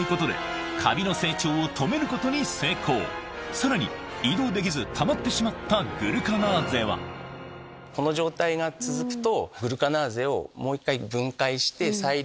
さらに移動できずたまってしまったグルカナーゼはこの状態が続くと。